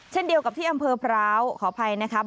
เช่นเดียวกับที่อำเภอพร้าวขออภัยนะครับ